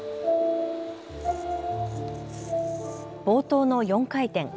冒頭の４回転。